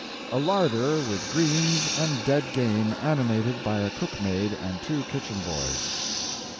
"A Larder with greens and dead game animated by a cook maid and two kitchen boys."